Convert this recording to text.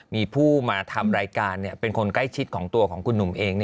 มีผู้มาทำรายการเป็นคนใกล้ชิดของตัวของคุณหนุ่มเอง